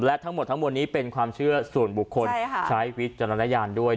และทั้งหมดทั้งมวลนี้เป็นความเชื่อส่วนบุคคลใช้วิจารณญาณด้วย